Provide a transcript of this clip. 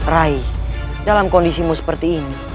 raih dalam kondisimu seperti ini